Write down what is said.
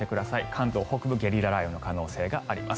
関東北部ゲリラ雷雨の可能性があります。